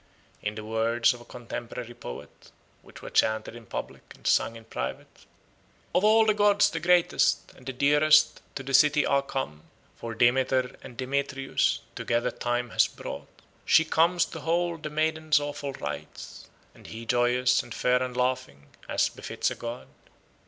In the words of a contemporary poet, which were chanted in public and sung in private: "Of all the gods the greatest and the dearest To the city are come. For Demeter and Demetrius Together time has brought. She comes to hold the Maiden's awful rites, And he joyous and fair and laughing, As befits a god.